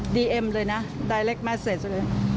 ดีเอ็มเลยนะดาไรค์แมสเซ็ตเลย